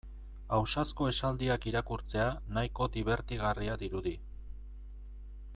Ausazko esaldiak irakurtzea nahiko dibertigarria dirudi.